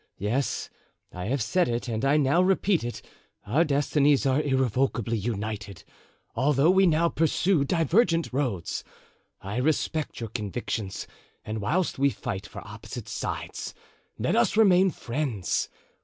Yes, I have said it and I now repeat it: our destinies are irrevocably united, although we now pursue divergent roads. I respect your convictions, and whilst we fight for opposite sides, let us remain friends.